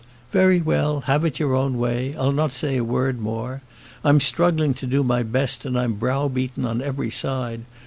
"Very well, have it your own way. I'll not say a word more. I'm struggling to do my best, and I'm browbeaten on every side.